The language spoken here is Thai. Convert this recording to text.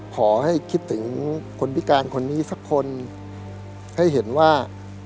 ขอให้คิดถึงคนพิการคนนี้สักคนให้เห็นว่า